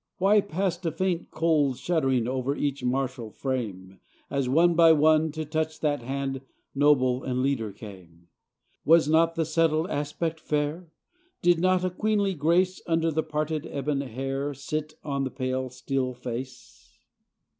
Why passed a faint, cold shuddering Over each martial frame. As one by one, to touch that hand, Noble and leader came? Was not the settled aspect fair? Did not a queenly grace, Under the parted ebon hair. Sit on the pale still face?